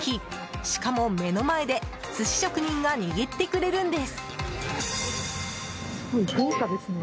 しかも、目の前で寿司職人が握ってくれるんです。